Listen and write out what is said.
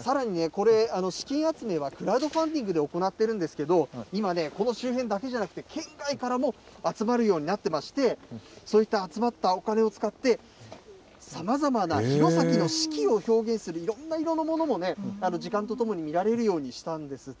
さらにこれ、資金集めはクラウドファンディングで行ってるんですけど、今、この周辺だけじゃなくて、県外からも集まるようになってまして、そういった集まったお金を使って、さまざまな弘前の四季を表現する、いろんな色のものもね、時間とともに見られるようにしたんですって。